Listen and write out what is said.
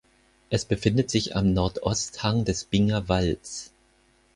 Es befindet sich am Nordosthang des Binger Walds.